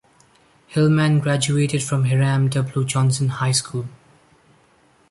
Hillman graduated from Hiram W. Johnson High School.